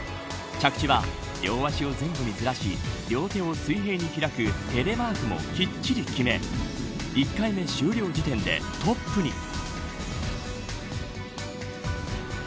着地は両足を前後にずらし両手を水平に開くテレマークもきっちり決め１回目終了時点でトップに。